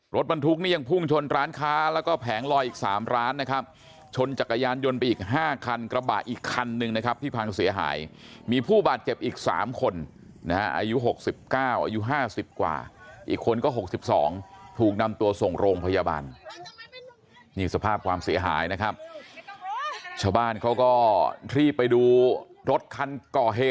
รถบรรทุกนี่ยังพุ่งชนร้านค้าแล้วก็แผงลอยอีก๓ร้านนะครับชนจักรยานยนต์ไปอีก๕คันกระบะอีกคันหนึ่งนะครับที่พังเสียหายมีผู้บาดเจ็บอีก๓คนนะฮะอายุ๖๙อายุ๕๐กว่าอีกคนก็๖๒ถูกนำตัวส่งโรงพยาบาลนี่สภาพความเสียหายนะครับชาวบ้านเขาก็รีบไปดูรถคันก่อเหตุ